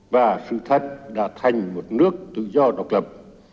và sự thật đã thành một nước tự do độc lập